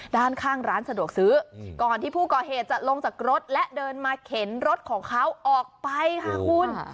ด้านข้างร้านสะดวกซื้อก่อนที่ผู้ก่อเหตุจะลงจากรถและเดินมาเข็นรถของเขาออกไปค่ะคุณ